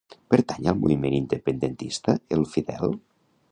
Pertany al moviment independentista el Fidel?